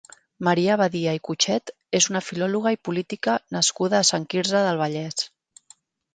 Maria Badia i Cutchet és una filòloga i política nascuda a Sant Quirze del Vallès.